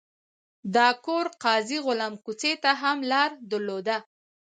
دا کور قاضي غلام کوڅې ته هم لار درلوده.